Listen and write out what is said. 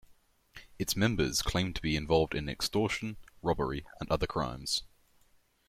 Its members claimed to be involved in extortion, robbery and other crimes.